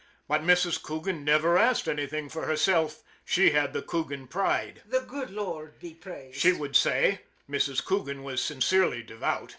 But Mrs. Coogan never asked anything for herself she had the Coogan pride. " The good Lord be praised," she would say Mrs. Coogan was sincerely devout.